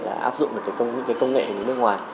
áp dụng những công nghệ nước ngoài